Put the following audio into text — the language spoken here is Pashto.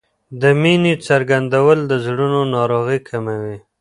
د مینې څرګندول د زړونو ناروغۍ کموي.